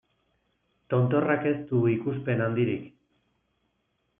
Tontorrak ez du ikuspen handirik.